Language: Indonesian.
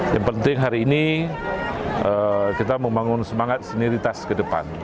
yang penting hari ini kita membangun semangat senioritas ke depan